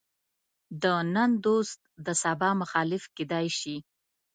د نن دوست د سبا مخالف کېدای شي.